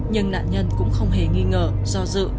nhưng nạn nhân cũng không hề nghi ngờ do dự